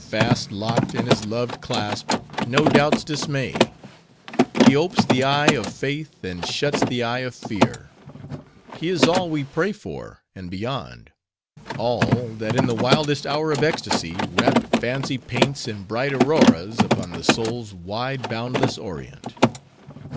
Fast locked in his loved clasp, no doubts dismay. He opes the eye of faith and shuts the eye of fear. He is all we pray for, and beyond; all, that in the wildest hour of ecstasy, rapt fancy paints in bright Auroras upon the soul's wide, boundless Orient!"